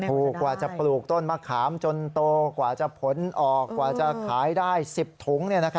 ถูกกว่าจะปลูกต้นมะขามจนโตกว่าจะผลออกกว่าจะขายได้๑๐ถุง